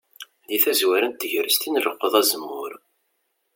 Deg tazwara n tegrest i nleqqeḍ azemmur.